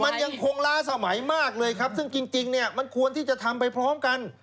มันยังคงล้าสมัยมากเลยครับซึ่งจริงเนี่ยมันควรที่จะทำไปพร้อมกัน